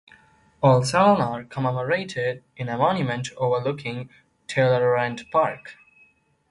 All seven are commemorated in a monument overlooking Talleyrand Park.